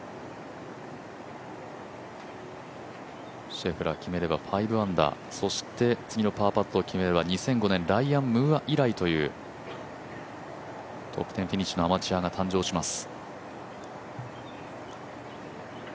シェフラー決めれば５アンダー次のパーパットを決めれば２００５年ライアン・ムーア以来というトップ１０フィニッシュのアマチュアが誕生します。